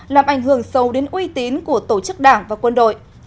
làm ảnh hưởng sâu đến uy tín của tổ chức đảng và quân đội